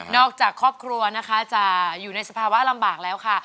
จากครอบครัวนะคะจะอยู่ในสภาวะลำบากแล้วค่ะ